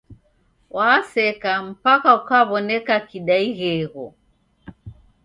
Waseka, mpaka ukaw'oneka kidaighegho.